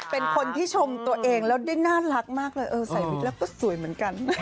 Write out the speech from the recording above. เป็นคนที่ชมตัวเองแล้วได้น่ารักมากเลยเออใส่วิกแล้วก็สวยเหมือนกัน